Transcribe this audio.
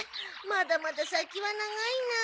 まだまだ先は長いな。